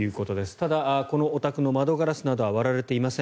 ただ、このお宅の窓ガラスなどは割られていません。